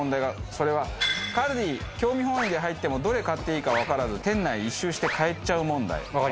それはＫＡＬＤＩ興味本位で入ってもどれ買っていいかわからず店内一周して帰っちゃう問題。